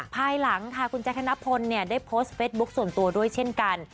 ภายหลังค่ะคุณแจ๊คธนพลได้โพสต์เฟสบุ๊คส่วนตัวด้วยเช่นกัน